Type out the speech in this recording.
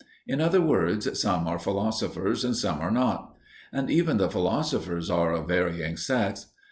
In other words, some are philosophers and some are not. And even the philosophers are of varying sects.